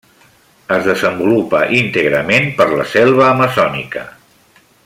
Es desenvolupa íntegrament per la selva amazònica.